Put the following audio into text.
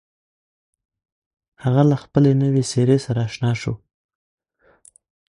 هغه له خپلې نوې څېرې سره اشنا شو.